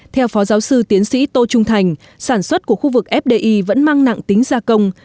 theo phó giáo sư tiến sĩ tô trung thành sản xuất của khu vực fdi vẫn mang nặng tính gia công